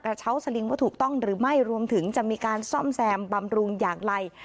เช้าสลิงว่าถูกต้องหรือไม่รวมถึงจะมีการซ่อมแซมบำรุงอย่างไร